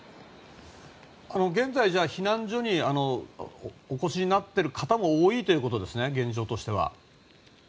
現在、じゃあ避難所にお越しになっている方も多いということですか現状としては。